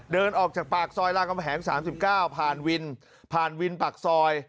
เดินออกจากปากซอยล่างกำแผงสามสิบเก้าผ่านวินผ่านวินปากซอย